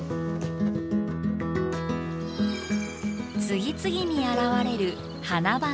次々に現れる花々。